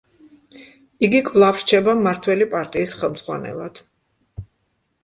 იგი კვლავ რჩება მმართველი პარტიის ხელმძღვანელად.